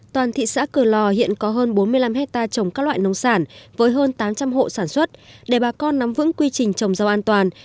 toàn thị xã cửa lò hiện có hơn bốn mươi năm hectare trồng các loại nông sản với hơn tám trăm linh hộ sản xuất để bà con nắm vững quy trình trồng rau an toàn